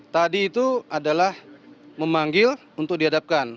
tadi itu adalah memanggil untuk dihadapkan